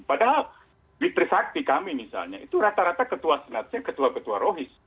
padahal di trisakti kami misalnya itu rata rata ketua senatnya ketua ketua rohis